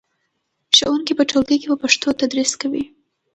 ښوونکي په ټولګي کې په پښتو تدریس کوي.